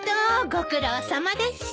ご苦労さまでした。